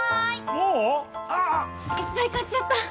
もう⁉ああ・・・いっぱい買っちゃった！